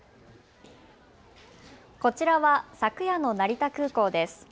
こちらは昨夜の成田空港です。